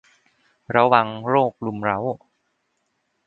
ระวังโรครุมเร้า